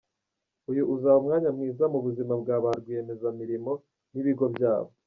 Uyu uzaba umwanya mwiza mu buzima bwa ba rwiyemezamirimo n’ibigo byabo.